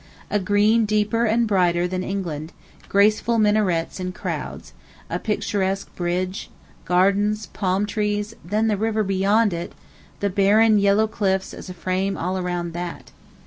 A green deeper and brighter than England, graceful minarets in crowds, a picturesque bridge, gardens, palm trees, then the river beyond it, the barren yellow cliffs as a frame all around that.